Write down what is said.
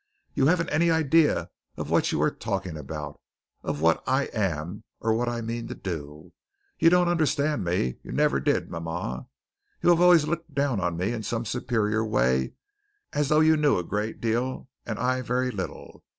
"You haven't any idea of what you are talking about, of what I am, or what I mean to do. You don't understand me. You never did, mama. You have always looked down on me in some superior way as though you knew a great deal and I very little.